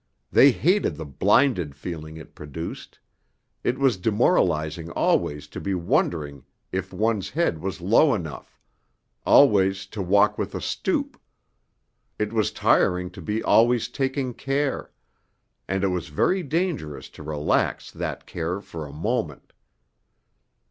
They hated the 'blinded' feeling it produced; it was demoralizing always to be wondering if one's head was low enough, always to walk with a stoop; it was tiring to be always taking care; and it was very dangerous to relax that care for a moment.